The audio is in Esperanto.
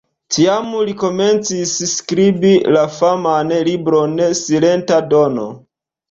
Tiam li komencis skribi la faman libron "Silenta Dono".